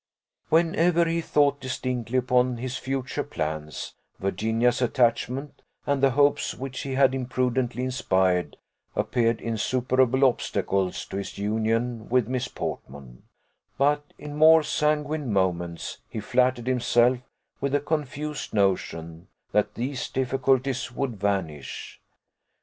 Whenever he thought distinctly upon his future plans, Virginia's attachment, and the hopes which he had imprudently inspired, appeared insuperable obstacles to his union with Miss Portman; but, in more sanguine moments, he flattered himself with a confused notion that these difficulties would vanish.